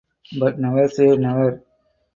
But never say never.